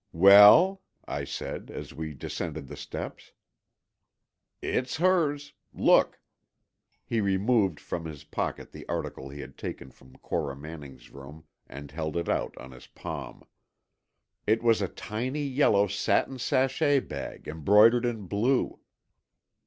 "Well?" I said, as we descended the steps. "It's hers. Look!" He removed from his pocket the article he had taken from Cora Manning's room and held it out on his palm. It was a tiny yellow satin sachet bag embroidered in blue!